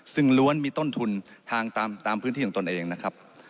ซึ่งล้วนมีต้นทุนทางตามพื้นที่ของตนเองนะครับ